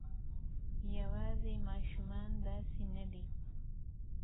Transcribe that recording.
یواځې ماشومان داسې نه دي.